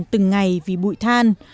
từng ngày vì bụi than